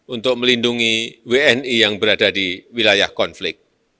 untuk melindungi wni yang berada di wilayah konflik